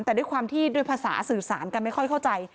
แต่ด้วยความที่ด้วยภาษาสื่อสารกันไม่ค่อยเข้าใจ